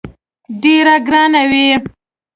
ډېره ګرانه وي.